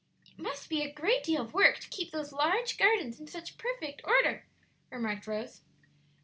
"It must be a great deal of work to keep those large gardens in such perfect order," remarked Rose.